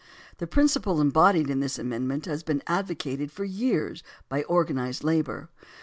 The principle embodied in this amendment has been advocated for years by organized labor.